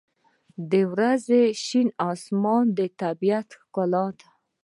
• د ورځې شین آسمان د طبیعت ښکلا ده.